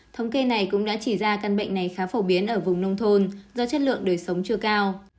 thống kê này cũng đã chỉ ra căn bệnh này khá phổ biến ở vùng nông thôn do chất lượng đời sống chưa cao